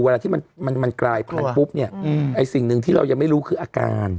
เวลาที่มันกลายผ่านปุ๊บเนี่ยสิ่งที่เรายังไม่รู้คืออาการ